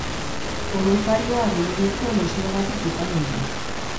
Odoljarioa gehiegizko dosiagatik izan ohi da.